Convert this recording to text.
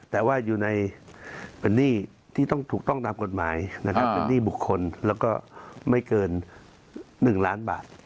แต่ว่าอยู่ในหนี้ที่ถูกต้องตามกฎหมายหนี้บุคคลไม่เกิน๑ล้านบาท